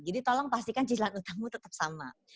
jadi tolong pastikan cicilan utangmu tetap sama